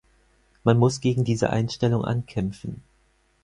Man muss gegen diese Einstellung ankämpfen.